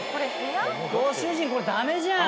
ご主人これダメじゃん。